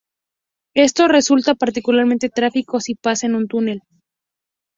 Esto resulta particularmente trágico si pasa en un túnel.